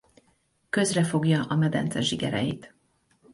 Közre fogja a medence zsigereit.